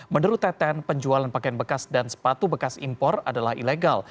menurut teten penjualan pakaian bekas dan sepatu bekas impor adalah ilegal